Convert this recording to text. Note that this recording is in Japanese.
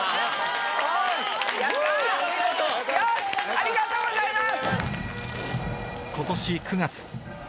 ありがとうございます！